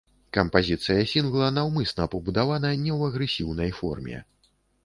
Кампазіцыя сінгла наўмысна пабудавана не ў агрэсіўнай форме.